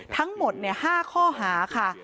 ทั้งหมด๕ข้อหาค่ะ